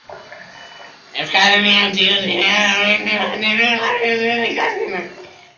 Euskal herria itzuli zenean Aurelio Artetarekin jarraitu zituen ikasketak.